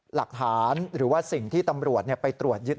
หลักฐานหรือว่าสิ่งที่ตำรวจไปตรวจยึด